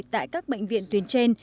tại các bệnh viện tuyến trên